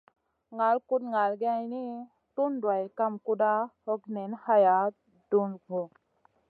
Ŋal kuɗ ŋal geyni, tun duwayda kam kuɗa, hog niyn haya, dug vun.